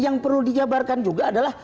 yang perlu dijabarkan juga adalah